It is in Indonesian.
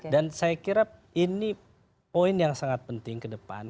dan saya kira ini poin yang sangat penting ke depan